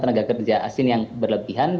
tenaga kerja asing yang berlebihan